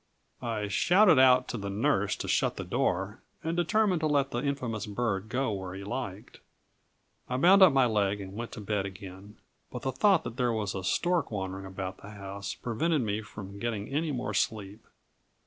I shouted out to the nurse to shut the door, and determined to let the infamous bird go where he liked. I bound up my leg and went to bed again; but the thought that there was a stork wandering about the house, prevented me from getting any more sleep.